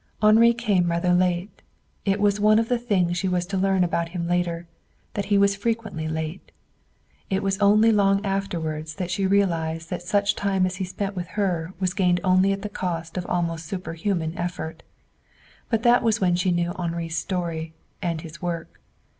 Henri came rather late. It was one of the things she was to learn about him later that he was frequently late. It was only long afterward that she realized that such time as he spent with her was gained only at the cost of almost superhuman effort. But that was when she knew Henri's story, and his work.